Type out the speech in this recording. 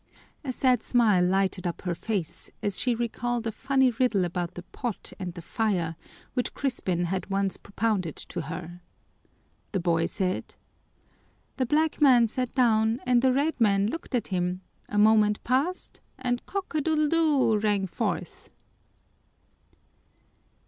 A sad smile lighted up her face as she recalled a funny riddle about the pot and the fire which Crispin had once propounded to her. The boy said: "The black man sat down and the red man looked at him, a moment passed, and cock a doodle doo rang forth."